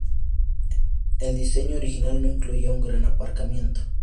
El diseño original no incluía un gran aparcamiento.